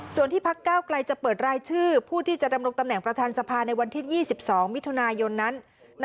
ส่วนที่พักเก้าไกลจะเปิดรายชื่อผู้ที่จะดำรงตำแหน่งประธานสภาในวันที่๒๒มิถุนายนนั้น